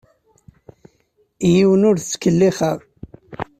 Yiwen ur t-ttkellixeɣ.